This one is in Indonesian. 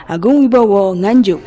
agung wibowo nganjuk